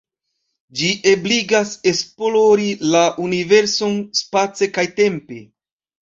Ĝi ebligas esplori la universon, space kaj tempe.